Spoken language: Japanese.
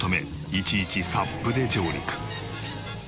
いちいちＳＵＰで上陸。